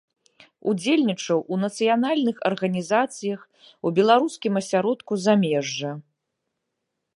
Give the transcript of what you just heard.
Удзельнічаў у нацыянальных арганізацыях у беларускім асяродку замежжа.